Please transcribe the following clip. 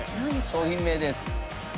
商品名です。